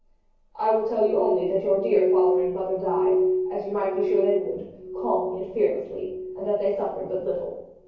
"I will tell you only that your dear father and mother died, as you might be sure they would, calmly and fearlessly, and that they suffered but little.